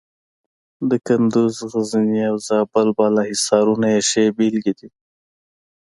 د کندز، غزني او زابل بالا حصارونه یې ښې بېلګې دي.